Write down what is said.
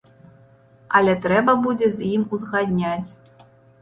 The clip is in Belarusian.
Але трэба будзе з ім узгадняць.